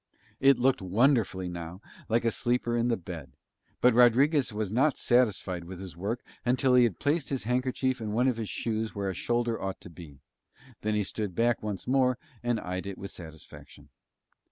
It looked wonderfully now like a sleeper in the bed, but Rodriguez was not satisfied with his work until he had placed his kerchief and one of his shoes where a shoulder ought to be; then he stood back once more and eyed it with satisfaction.